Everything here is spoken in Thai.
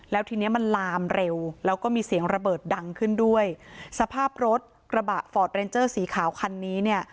แล้วทีเนี้ยมันลามเร็วแล้วก็มีเสียงระเบิดดังขึ้นด้วยสภาพรถกระบะฟอร์ดเรนเจอร์สีขาวคันนี้เนี่ย